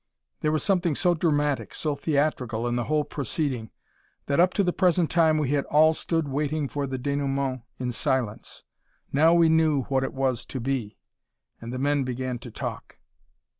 There was something so dramatic, so theatrical, in the whole proceeding, that up to the present time we had all stood waiting for the denouement in silence. Now we knew what it was to be, and the men began to talk.